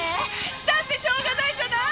だってしょうがないじゃない。